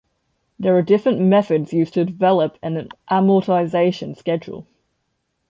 There are different methods used to develop an amortization schedule.